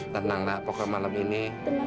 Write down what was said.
tenang lah pokoknya malam ini